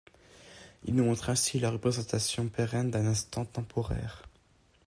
Il nous montre ainsi la représentation pérenne d'un instant temporaire.